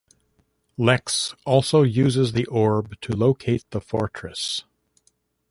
Lex also uses the orb to locate the fortress.